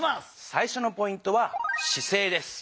最初のポイントは「姿勢」です。